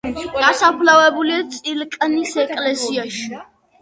დასაფლავებულია წილკნის ეკლესიაში.